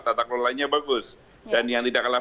tata kelolanya bagus dan yang tidak kalah